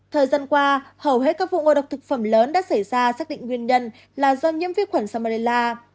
thời gian qua hầu hết các vụ ngộ độc thực phẩm lớn đã xảy ra xác định nguyên nhân là do nhiễm vi khuẩn salmella